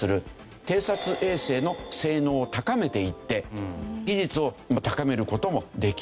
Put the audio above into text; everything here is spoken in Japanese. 偵察衛星の性能を高めていって技術を高める事もできる。